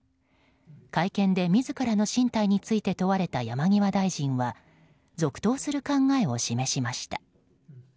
会見で自らの進退について問われた山際大臣は続投する考えを示しました。